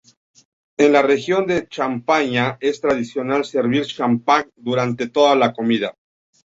En la región de Champaña, es tradicional servir "champagne" durante toda la comida.